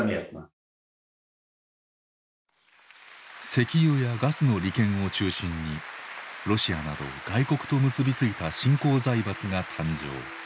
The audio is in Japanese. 石油やガスの利権を中心にロシアなど外国と結び付いた新興財閥が誕生。